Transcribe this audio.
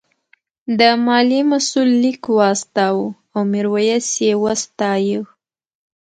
د مالیې مسوول لیک واستاوه او میرويس یې وستایه.